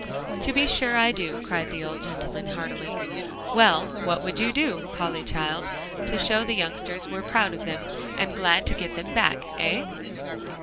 "To be sure I do," cried the old gentleman heartily. "Well, what would you do, Polly child, to show the youngsters we're proud of them, and glad to get them back hey?"